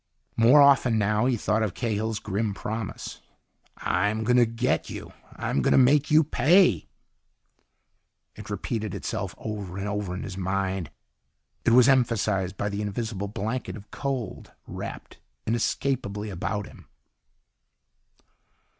More often, now, he thought of Cahill's grim promise. "I'm going to get you. I'm going to make you pay." It repeated itself over and over in his mind. It was emphasized by the invisible blanket of cold wrapped inescapably about him.